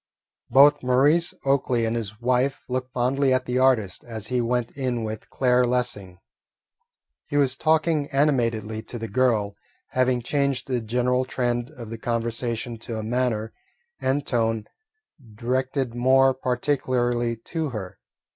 Both Maurice Oakley and his wife looked fondly at the artist as he went in with Claire Lessing. He was talking animatedly to the girl, having changed the general trend of the conversation to a manner and tone directed more particularly to her.